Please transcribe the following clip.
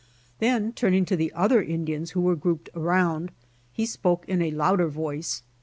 Then turning to the other Indians who were grouped around, he spoke in a louder voice.